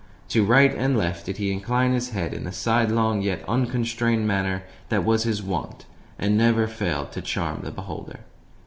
To right and left did he incline his head in the sidelong, yet unconstrained, manner that was his wont and never failed to charm the beholder.